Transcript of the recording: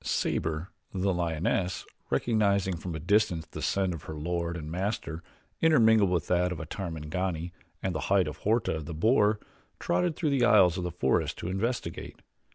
Sabor, the lioness, recognizing from a distance the scent of her lord and master intermingled with that of a Tarmangani and the hide of Horta, the boar, trotted through the aisles of the forest to investigate.